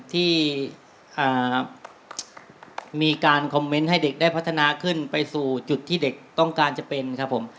ที่มีการคอมเมนต์ให้เด็กได้พัฒนาขึ้นไปสู่จุดที่เด็กต้องการจะเป็นครับผม